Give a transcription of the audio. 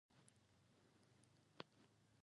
دریم صیقل شوی میخ په هغه کې داخل کړئ.